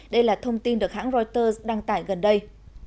đây là thông tin được hãng reuters đăng tải gần đây